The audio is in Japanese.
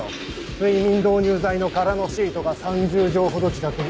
睡眠導入剤の空のシートが３０錠ほど自宅に。